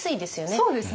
そうですね。